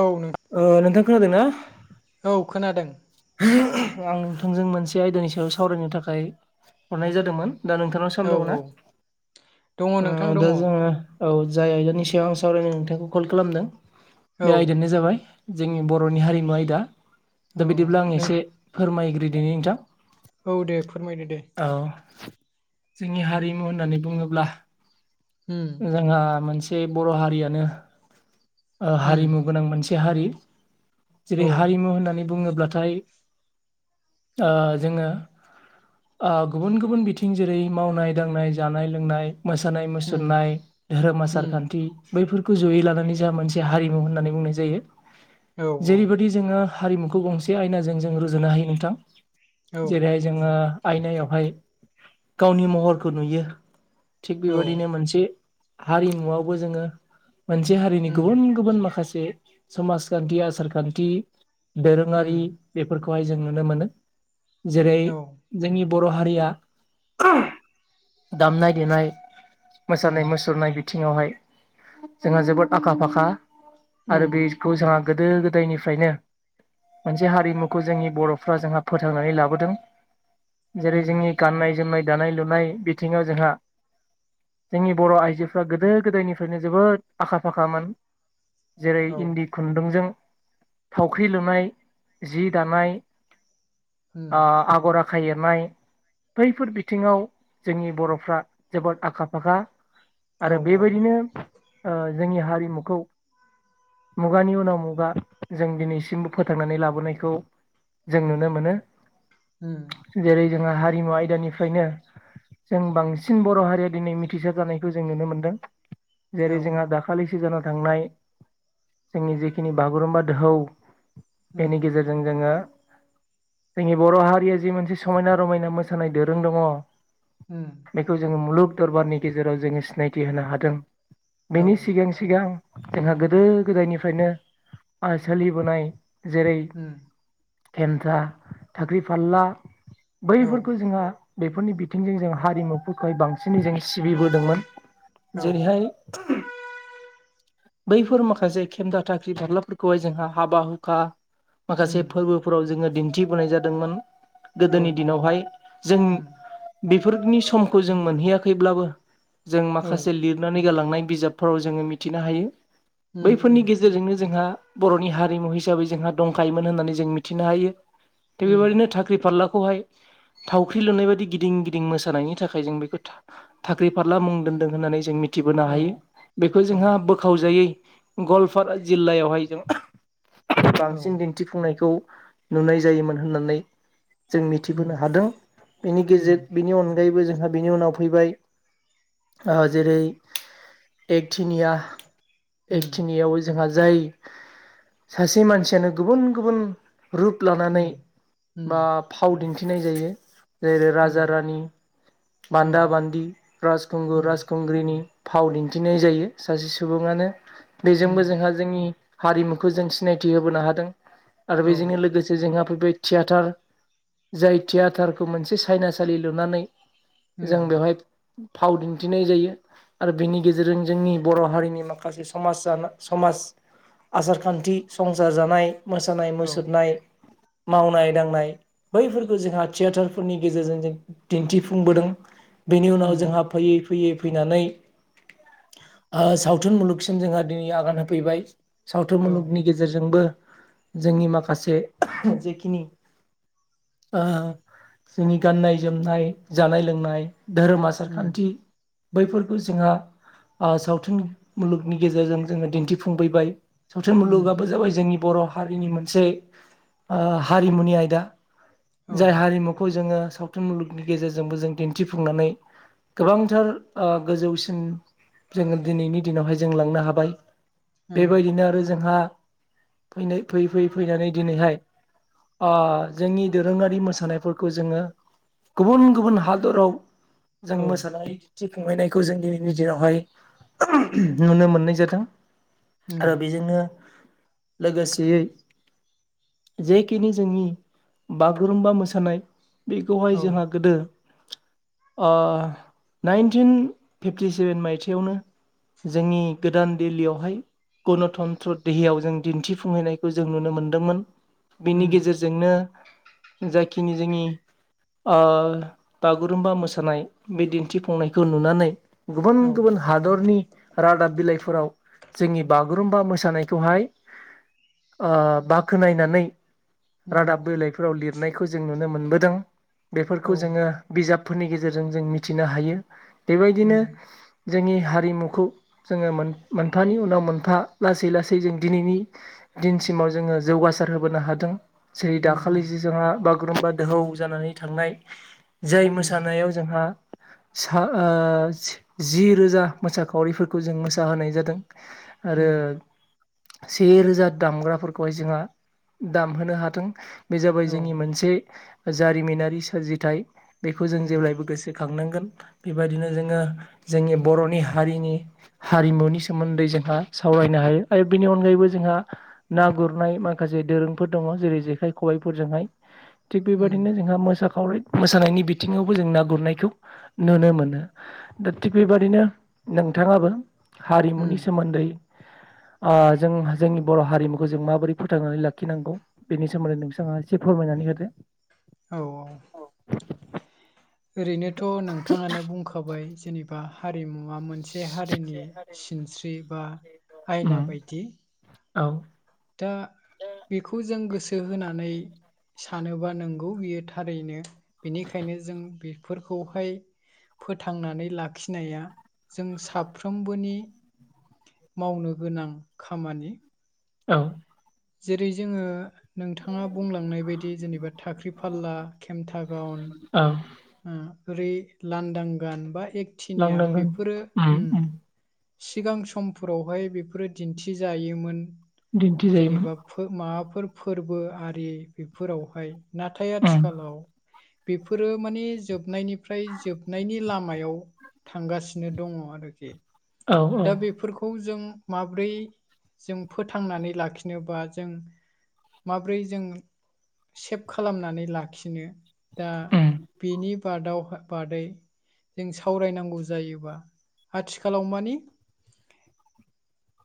औ नोंथां। नोंथां खोनादों ना? औ खोनादों। आं नोंथांजों मोनसे आयदानि सायाव सावरायनो थाखाय हरनाय जादोंमोन दा नोंथां। नोंथाङा सम औ दङ औ दङ ना नोंथां दङ दा औ जोङो औ जाय आयदानि सायाव आं सावरायनो नोंथांखौ कल खालामदों बे आयदानि बेनो जाबाय जोंनि बर'नि हारिमु आयदा दा औ बिदिब्ला आं नों एसे फोरमायगोरो‌दिनि नोंथां। औ दे फोरमायदो दे। औ जोंनि हारिमु होननानै बुङोब्ला उम। जोंहा मोनसे बर' हारियानो उम हारिमु गोनां मोनसे हारि औ जेरै हारिमु होननानै बुङोब्लाथाय ओ जोङो गुबुन गुबुन बिथिं जेरै मावनाय दांनाय जानाय लोंनाय मोसानाय उम मुसुरनाय धोरोम आसार उम खान्थि बैफोरखौ जयै लानानै मोनसे हारिमुनानै बुंनाय जायो औ औ जेरैबायदि जोङो हारिमुखौ गंसे आयनाजों जों रुजुनो हायो नोंथां औ जेरैहाय जोङो आयनायावहाय गावनि महरखौ नुयो। थिग औ बेबायदिनो मोनसे हारिमुआवबो जोङो मोनसे हारि उम गुबुन गुबुन माखासे समाजखान्थि आसारखान्थि उम दोरोङारि बेफोरखौहाय जों नुनो मोनो जेरै औ जोंनि बर' हारिया दामनाय देनाय उम मोसानाय मुसुरनाय बिथिङावहाय जोंहा जोबोद आखा फाखा आरो उम बे खौ जोंहा गोदो गोदायनिफ्रायनो मोनसे हारिमुखौ जोंनि बर'फ्रा जोंहा फोथांनानै लाबोदों जेरै उम जोंनि गाननाय जोमनाय दानाय लुनाय बिथिङाव जोंहा जोंनि बर' आइजोफ्रा गोदो गोदायनिफ्रायनो जोबोद आखा फाखामोन जेरै औ इन्दि खुन्दुंजों थावख्रि लुनाय जि दानाय उम आगर आखाइ एरनाय बैफोर बिथिङाव जोंनि बर'फ्रा जोबोद आखा फाखा औ आरो बेबायदिनो जोंनि हारिमुखौ मुगानि उनाव मुगा जों दिनैसिमबो फोथांनानै लाबोनायखौ जों नुनो मोनो। ओम। जेरै जोंङो हारिमु आयदानिफ्रायनो जों बांसिन बर' हारिया दिनै मिथिसार जानायखौ जों नुनो मोनदों औ जेरै जोंहा दाखालि दाखालिसि जाना थांनाय जोंनि जिखिनि बागुरुमबा दोहौ उम बेनि गेजेरजों जों जोङो जोंनि बर' हारिया जि मोनसे समायना रमायना मोसानाय दोरों दङ। ह [inaudible] बेखौ जोङो मुलुग दरबारनि गेजेराव जोङो सिनायथि होनो हादों औ बेनि सिगां सिगां जोंहा गोदो गोदायनिफ्रायनो सोलिबोनाय जेरै उम खेमन्था थाख्रि फाला औ उम औ बैफोरखौ जोंहा बेफोरनि बिथिंजों जों हारिमुफोरखौहाय बांसिनै जों सिबिबोदोंमोन जेरैहाय बैफोर माखासे खेमदा थाखाख्रि फाबलाफोरखौहाय जोंहा हाबा हुखा उम माखासे फोरबो फोराव जोङो दिन्थिबोनाय जादोंमोन गोदोनि औ दिनावहाय जों बेफोरनि समखौ जों मोनहैयाखैब्लाबो जों माखासे लिर खुनानै गालांनाय बिजाबफोराव जोङो मिथिनो हायो उम बैफोरनि उम गेजेरजोंनो जोंहा बर'नि हारिमु हिसाबै जोंहा दंखायोमोन होन्नानै जों मिथिनो हायो थिग उम बेबायदिनो थाख्रि फारलाखौहाय थावख्रि लुनाय बायदि गिदिं गिदिं मोसानायनि थाखाय जों बेखौ था थाख्रि फारला मुं दोन्दों होननानै जों मिथि थिबोनो हायो औ बेखौ औ जोंहा बोखावजायै गवालपारा जिल्लायावहाय जों औ बांसिन दिन्थिफुंनायखौ नुनाय जायोमोन होननानै जों उम मिथिबोनो हादों बेनि गेजेर बिनि अनगायैबो जोंहा बिनि उनाव फैबाय। ओ जेरै एकथिंयिया एकथिनियाव जोंहा जाय सासे मानसियानो गुबुन गुबुन रुप लानानै बा फाव दिन्थिनाय जायो। जेरै राजा रानि बान्दा बान्दि राजखुंगुर राजखुंग्रि ग्रिनि फाव दिन्थिनाय जायो सासे सुबुङानो बेजोंबो जोंहा जोंनि हारिमुखौ जों सिनायथि होबोनो हादों आरो बेजोंनो लोगोसे जोंहा फैबाय थियाटार जाय थियाटारखौ मोनसे सायनासालि लुनानै जों बेवहाय फाव दिन्थिनाय जायो आरो बेनि गेजेरजों जोंनि बर' हारिनि माखासे समाज समाज आसार खान्थि संसार जानाय मोसानाय मुसुरनाय मावनाय दांनाय बैफोरखौ जोंहा थियेटारफोरनि गेजेरजों जों दिन्थिफुंबोदों। बेनि उनाव जोंहा फैयै फैयै फैनानै साव थुन मुलुगसिम जोंहा दिनै आगान होफैबाय सावथुन मुलुगनि गेजे गेजेरजोंबो जोंनि माखासे जेखिनि जोंनि गाननाय जोमनाय जानाय लोंनाय धोरोमा आ सार खान्थि बैफोरखौ जोंहा सावथुन मुलुगनि गेजेरजों जोङो दिन्थिफुंफैबाय सावथुन मुलुगाबो जाबाय जोंनि बर' हारिनि मोनसे हारिमुनि आयदा जाय हारिमुखौ जोङो साव थुन मुलुगनि गेजेरजोंबो जों दिन्थिफुंनानै गोबांथार गोजौसिन जोङो दिनैनि दिनावहाय जों लांनो हाबाय बेबायदिनो आरो जोंहा फैनाय फैयै फैयै फैनानै दिनैहाय आ जोंनि दोरोङारि मोसानायफोरखौ जोङो गुबुन गुबुन हादराव जों मोसानाय थि खांलायनायखौ जों दिनैनि गेजेरावहाय नुनो मोननाय जादों आरो बेजोंनो लोगोसेयै जेखिनि जोंनि बागुरुम्बा मोसानाय बेखौहाय जोंहा गोदो आ नाइनटिन फिफ्टिसेभेन मायथाइयावनो जोंनि गोदान दिल्लीयावहाय गनतन्त्र देहायाव जों दिन्थिफुंहैनायखौ जों नुनो मोनदोंमोन बेनि गेजेर जोंनो जाखिनि जोंनि आ बागुरुमबा मोसानाय बे दिन्थिफुंनायखौ नुनानै गुबुन गुबुन हादरनि रादाब बिलाइफोराव जोंनि बागुरुम्बा मोसानायखौहाय आ बाखोनायनायनानै रादाब बिलाइफोराव लिरनायखौ जों नुनो मोनबोदों बेफोरखौ जोङो बिजाबफोरनि गेजेरजों जों मिथिनो हायो बेबायदिनो जोंनि हारिमुखौ जोङो मोनफानि उनाव मोनफा लासै लासै जों दिनैनि दिनसिमाव जोङो जौगासार होबोनो हादों। जेरै दाखालि जों जोंहा बागुरुमबा दोहौ जानानै थांनाय जाय मोसानायाव जोंहा सा जि रोजा मोसाखावरिफोर खौ जों मोसाहोनाय जादों आरो। से रोजा दामग्राफोरखौहाय जोंहा दामहोनो हादों। बे जाबाय जोंनि मोनसे जारिमिनारि सोरजिथाय बेखौ जों जेब्लायबो गोसोखांनांगोन बेबायदिनो जोङो जोंनि बर'नि हारिनि हारिमुनि सोमोन्दै जोंहा सावरायनो हायो आरो बेनि अनगायैबो जोंहा ना गुरनाय माखासे दोरोंफोर दङ जेरै जेखाइ खबाइफोरजोंहाय थिग बेबादिनो जोंहा मोसाखावरि मोसानायनि बिथिङावबो जों ना गुरनायखौ नुनो मोनो। दा थिग बेबादिनो नोंथाङाबो हारिमुनि सोमोन्दै जों जोंनि बर' हारिमुखौ जों माबोरै फोथांनानै लाखिनांगौ। बेनि सोमोन्दै नोंसाङा एसे फोरमायनानै होदो। औ औ। ओरैनोथ' नोंथाङानो बुंखाबाय जेनेबा हारिमुवा मोनसे हारिनि सिनस्रि बा आयना उम बायदि औ। दा बेखौ जों गोसो होनानै सानोबा नंगौ बियो थारैनो बेनिखायनो जों बेफोरखौहाय फोथांनानै लाखिनाया जों साफ्रोमबोनि मावनो गोनां खामानि औ। जेरै जोङो नोंथाङा बुंलांनाय बायदि जेनेबा थाख्रि फाला खेमथा गाउन औ। ओरै लांदां गान बा एकथिंगिया लांदांगोन बेफोरो उम उम सिगां समफोरावहाय बेफोरो दिन्थिजायोमोन दिन्थिजायोमोन जेनेबा माबाफोर फोरबो आरि बेफोरावहाय नाथाय उम आथिखालाव बेफोरो माने जोबनायनिफ्राय जोबनायनि लामायाव थांगासिनो दङ आरोखि। औ औ दा बेफोरखौ खौ जों माब्रै जों फोथांनानै लाखिनोबा जों माब्रै जों सेभ खालामनानै लाखिनो दा उम बेनि बादाव बादै जों सावरायनांगौ जायोबा आथिखालाव मानि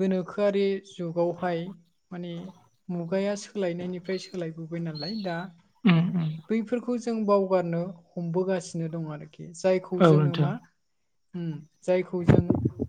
गोनोखोआरि जुगावहाय माने मुगाया सोलायनायनिफ्राय सोलायबोबाय नालाय दा ओम ओम। बैफोरखौ जों बावगारनो हमबोगासिनो दं आरोखि जायखौ औ जोङो नोंथां मा औ जायखौ जों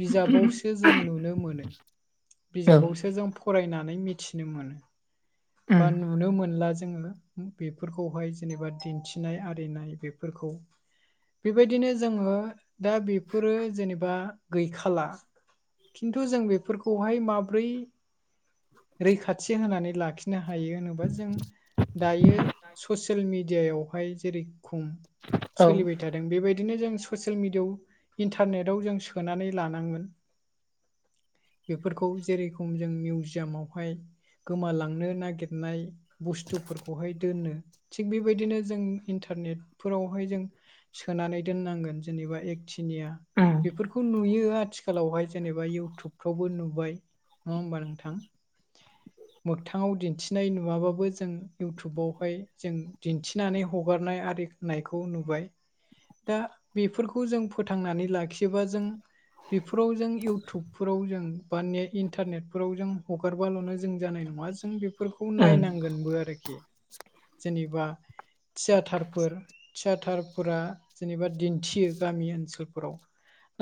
बिजाबावसो जों नुनो मोनो उम औ उम बिजाबावसो जों फरायनानै मिथिदों मोन उम बा नुनो मोनला जोङो बेफोरखौहाय जेनेबा दिन्थिनाय आरिनाय बेफोरखौ बेबायदिनो जोङो दा बेफोरो जेनेबा गैखाला खिन्थु जों बेफोरखौहाय माब्रै रैखाथि होनानै लाखिगोन। नो हायो होनोबा जों दायो ससियेल मिडियायावहाय जेरै- खम औ सोलिबाय नोंथां थायो। बेबायदिनो जों ससियेल मिडियाआव इन्टारनेटआव जों सोनानै लानांगोन। बेफोरखौ जेरेखम जों मिउजियामावहाय गोमालांनो नागिरनाय बुस्थुफोरखौहाय दोनो थिग बेबायदिनो जों इ इन्टारनेट फोरावहाय जों सोनानै दोननांगोन जेनेबा एक थिनिया उम औ उम बेफोरखौ नुयो आथिखा खालावहाय जेनेबा इउटुबफ्रावबो नुबाय नङा होमबा नोंथां? मोगथाङाव दिन्थिनाय नुवाबाबो जों इउटुबावहाय जों दिन्थिनानै हग हगारनाय आरिनायखौ नुबाय। दा बेफोरखौ जों फोथांनानै लाखियोबा जों बेफोराव जों इउटुबफोराव जों बा ने इन्टारनेटफोराव जों हगारबाल'नो जों जानाय नङा। नङा जों बेफोरखौ नायनांगोनबो आरोखि जेनेबा। थियाटारफोर। थियाटारफोरा जेनेबा दिन्थियो गामि ओनसोलफोराव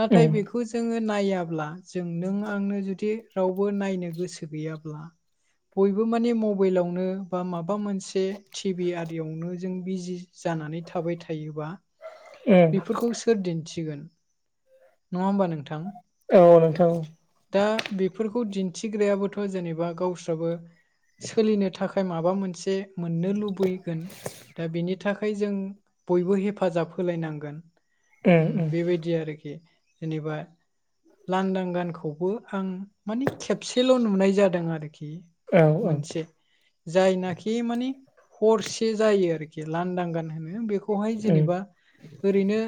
नाथाय बेखौ खौ जोङो नायाब्ला जों नों आंनो जुदि रावबो नायनो गोसो गैयाब्ला। बयबो माने मबाइलावनो बा माबा मोनसे टिभि आरियावनो जों बिजि जानानै थाबाय थायोब्ला सोर दिन्थिगोन नङा होमबा नोंथां। औ नोंथां। दा बेफोरखौ दिन्थिग्रायाबोथ' जेनेबा गावस्राबो सोलिनो थाखाय माबा मोनसे मोननो लुबैगोन। दा बिनि थाखाय जों बयबो हेफाजाब होलायनांगोन उम बेबायदि दि आरोखि जेनेबा लांदां गानखौबो आं माने खेबसेल' नुनाय जादों आरोखि। औ मोनसे जायनाखि माने हरसे जायो आरोखि। खि लांदां गान होनो बेखौहाय जेनेबा ओरैनो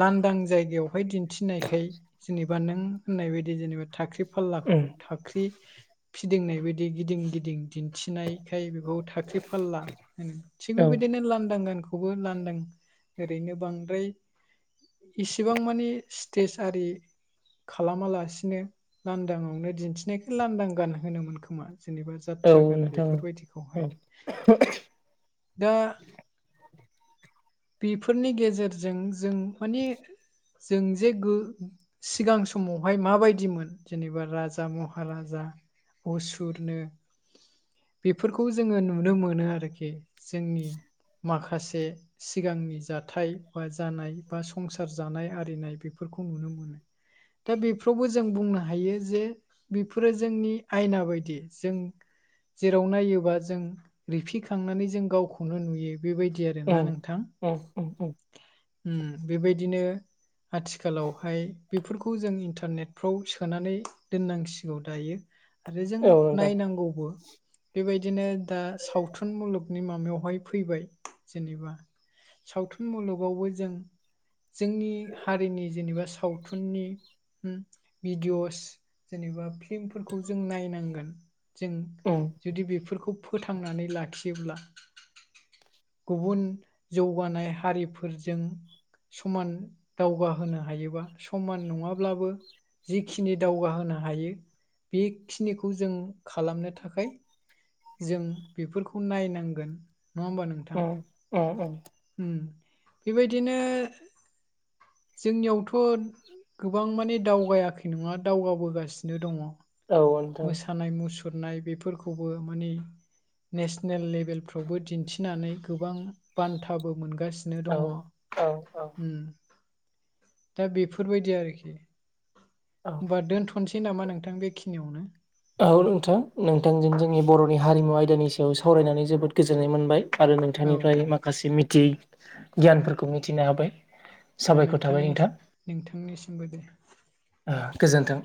लांदां जायगायावहाय दिन्थिनायखाय जेनेबा नों होननाय बायदि जेनेबा थाखाख्रि फाललाखौ थाख्रि फिदिंनाय बायदि गिदिं गिदिं दिन्थिनायखाय बेखौ थाख्रि फालला थिग बेबायदिनो लांदां गानखौबो लांदां ओरैनो बांद्राय इसिबां मानि स्टेेज आरि खालामालासिनो लांदांआवनो दिन्थिनायखौ लांदां गान होनोमोन खोमा जेनेबा जों जाथ्रा गान नोंथां बेफोरबायदिखौहाय [unintelligible] दा बेफोरनि गेजेरजों जों माने जों जे गो सिगां समावहाय माबायदिमोन जेनेबा राजा महाराजा मुसुरनो बेफोरखौ जोङो नुनो मोनो आरोखि जोंनि माखासे सिगांनि जाथाय बा जानाय बा संसार जानाय आरिनाय बेफोरखौ नुनो मोनो। दा बेफ्रावबो जों बुंनो हायो जे बेफोरो जोंनि आयना बायदि जों जेराव नायोबा जों रिफिखांनानै जों गावखौनो नुयो। बेबायदि आरो ना उम नोंथां। उम उम उम बेबायदिनो आथिखालावहाय बेफोरखौ जों इन्टारनेटफ्राव सोनानै दोननांसिगौ दायो। आरो जों औ नायनांगौबो बेबायदिनो दा सावथुन मुलुग नि माबायावहाय फैबाय जेनेबा सावथुन मुलुगावबो जों जोंनि हारिनि जेनेबा सावथुननि भिडिअस जेनेबा फिल्मफोरखौ जों नायनांगोन जों औ जुदि बेफोरखौ फोथांनानै लाखियोब्ला गुबुन जौगानाय हारिफोरजों समान दावगाहोनो हायोबा समान नङाब्लाबो जिखिनि दावगाहोनो हायो बेखिनिखौ जों खालामनो थाखाय जों बेफोरखौ नायनांगोन नङा होमबा नोंथ अ अ अ बेबायदिनो जोंनियावथ' गोबां माने दावगायाखै नङा दावगाबोगासिनो दङ। औ नोंथां मोसानाय मुसुरनाय बेफोरखौबो माने नेसनेल लेभेल फावबो दिन्थिनानै गोबां बान्थाबो मोनगासिनो नो औ दङ औ औ उम दा बेफोरबायदि आरोखि औ होनबा दोनथ' खननोसै नामा नोंथां बेखिनियावनो औ नोंथां नोंथांजों जोंनि बर'नि हारिमु आयदानि सायाव सावरायनानै जोबोद गोजोननाय मोनबाय। आरो औ नोंथांनिफ्राय माखासे मिथियै गियानफोरखौ मिथिनो हाबाय। साबायखर थाबाय नोंथांनि नोंथां नोंथांनिसिमबो दे। गोजोन्थों